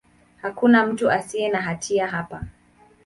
Hakuna mtu asiye na hatia hapa.